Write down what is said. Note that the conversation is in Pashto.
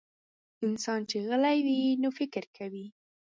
انسان چې غلی وي، نو فکر کوي.